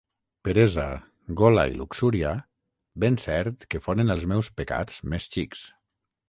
Peresa, gola i luxúria, ben cert que foren els meus pecats més xics.